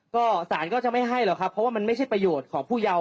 ก็สารก็จะไม่ให้หรอกครับเพราะว่ามันไม่ใช่ประโยชน์ของผู้เยาว์